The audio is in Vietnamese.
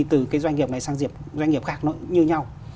từ cái doanh nghiệp này sang doanh nghiệp khác nó như nhau